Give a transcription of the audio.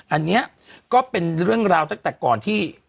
อันนี้ก็เป็นเรื่องราวตั้งแต่ก่อนที่